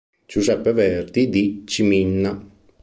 Giuseppe Verdi di Ciminna".